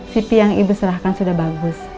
cp yang ibu serahkan sudah bagus